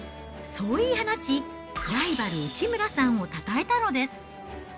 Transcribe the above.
そう言い放ち、ライバル、内村さんをたたえたのです。